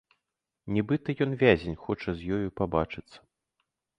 Нібыта ён вязень, хоча з ёю пабачыцца.